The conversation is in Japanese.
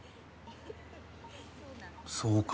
そうか？